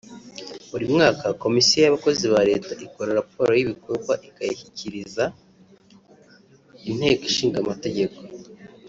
Buri mwaka komisiyo y’abakozi ba leta ikora raporo y’ibikorwa ikayishikiriza inteko ishingamategeko